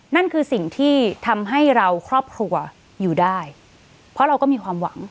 นั่นคือสิ่งที่ทำให้เราครอบครัวอยู่ได้เพราะเราก็มีความหวัง